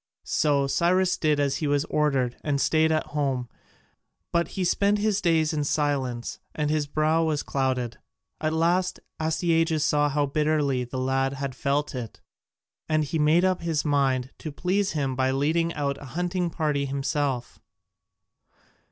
So Cyrus did as he was ordered and stayed at home, but he spent his days in silence and his brow was clouded. At last Astyages saw how bitterly the lad felt it, and he made up his mind to please him by leading out a hunting party himself.